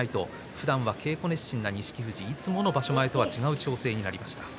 ふだんは稽古熱心な錦富士いつもと違う調整となりました。